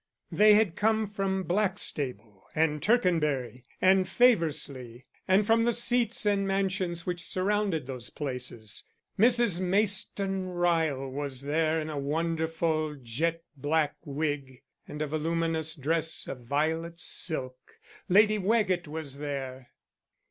They had come from Blackstable and Tercanbury and Faversley, and from the seats and mansions which surrounded those places. Mrs. Mayston Ryle was there in a wonderful jete black wig, and a voluminous dress of violet silk. Lady Wagget was there.